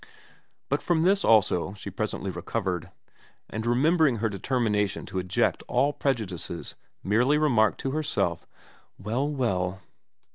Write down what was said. But from this also she presently recovered ; and remembering her determination to eject all prejudices merely remarked to herself, ' Well, well.'